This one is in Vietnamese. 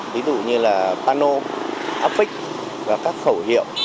ví dụ như là pano áp vích và các khẩu hiệu